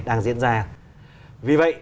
đang diễn ra vì vậy